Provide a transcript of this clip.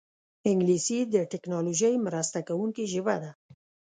انګلیسي د ټیکنالوژۍ مرسته کوونکې ژبه ده